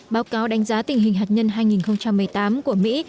báo cáo đánh giá tình hình hạt nhân hai nghìn một mươi tám của mỹ